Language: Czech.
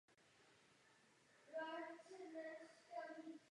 Tato hudební soutěž je podporována mnoha velvyslanci v Moskvě.